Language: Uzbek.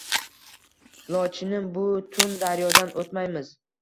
Lochinim bu tun daryodan o‘tmaymiz